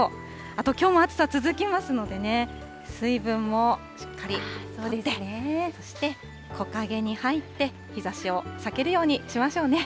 あときょうも暑さ続きますのでね、水分もしっかりとってそして木陰に入って、日ざしを避けるようにしましょうね。